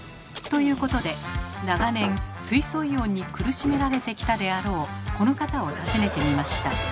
ということで長年水素イオンに苦しめられてきたであろうこの方を訪ねてみました。